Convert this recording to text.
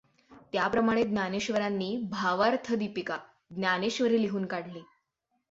त्याप्रमाणे ज्ञानेश्वरांनी भावार्थदीपिका ज्ञानेश्वरी लिहून काढली.